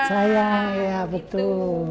sayang ya betul